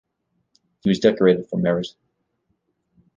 He was decorated for merit.